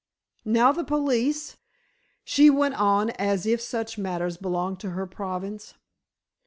"Now the police?" she went on, as if such matters belonged to her province.